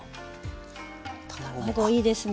卵いいですね。